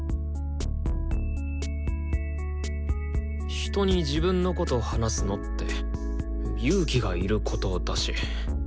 人に自分のこと話すのって勇気がいることだし。